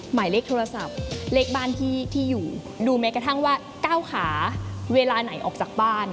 หมายเลขโทรศัพท์เลขบ้านที่อยู่ดูแม้กระทั่งว่า๙ขาเวลาไหนออกจากบ้าน